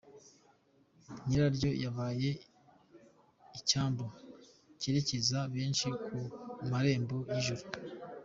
Nyiraryo yabaye icyambu cyerekeza benshi ku marembo y’ijuru.